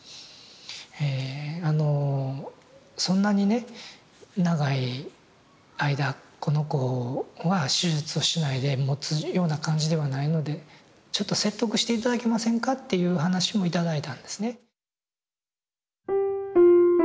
えあのそんなにね長い間この子は手術をしないでもつような感じではないのでちょっと説得して頂けませんかっていう話も頂いたんですね。